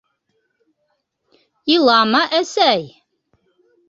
Илама, әсәй!